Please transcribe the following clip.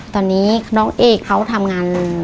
ตอนนี้น้องเอกเขาทำงาน